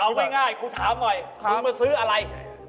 เอาง่ายกูถามหน่อยมึงมาซื้ออะไร